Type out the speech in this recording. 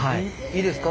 いいですか？